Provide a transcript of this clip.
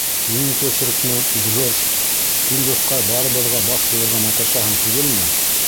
Һинең почеркмы, Джордж? һин, дуҫҡай, барыбыҙға баш булырға маташаһың түгелме?